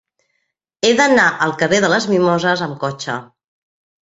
He d'anar al carrer de les Mimoses amb cotxe.